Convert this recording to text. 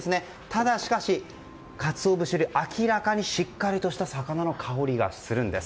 ただしかし、カツオ節より明らかにしっかりとした魚の香りがするんです。